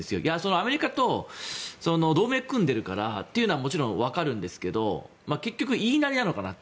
アメリカと同盟を組んでいるからというのはもちろん分かるんですけど結局言いなりなのかなと。